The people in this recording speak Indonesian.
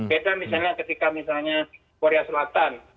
beda misalnya ketika misalnya korea selatan